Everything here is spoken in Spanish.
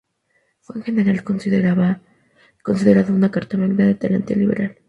Fue en general considerada una carta magna de talante liberal.